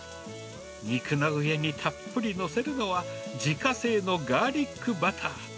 肉の上にたっぷり載せるのは、自家製のガーリックバター。